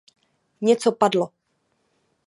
Něco padlo.